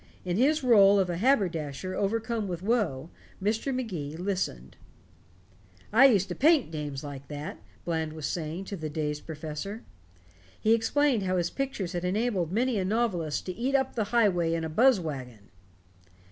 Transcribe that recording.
In his rôle of a haberdasher overcome with woe, Mr. Magee listened. "I used to paint dames like that," Bland was saying to the dazed professor. He explained how his pictures had enabled many a novelist to "eat up the highway in a buzz wagon."